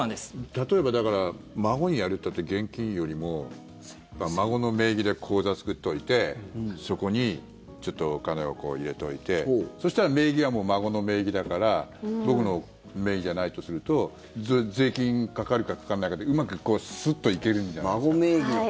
例えば、だから孫にやるっていったって現金よりも孫の名義で口座作っておいてそこにちょっとお金を入れておいてそうしたら名義はもう孫の名義だから僕の名義じゃないとすると税金かかるか、かかんないかでうまく、すっといけるんじゃないですか？